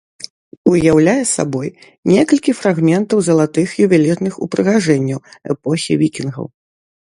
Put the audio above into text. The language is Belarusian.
Уяўляе сабой некалькі фрагментаў залатых ювелірных упрыгажэнняў эпохі вікінгаў.